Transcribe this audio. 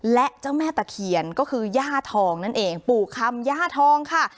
และเจ้าแม่ตะเคียนก็คือย่าทองนั่นเองปู่คำย่าทองค่ะ